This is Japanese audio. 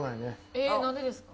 えっなんでですか？